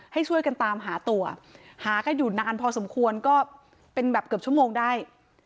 ให้ช่วยกันตามหาตัวหากันอยู่นานพอสมควรก็เป็นแบบเกือบชั่วโมงได้